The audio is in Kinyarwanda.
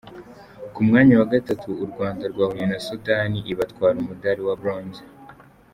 Ku mwanyawa gatatu u Rwanda rwahuye na Sudani ibatwara umudari wa bronze.